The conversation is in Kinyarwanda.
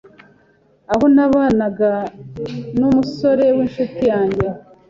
Aho nabanaga n’umusore w’inshuti yanjye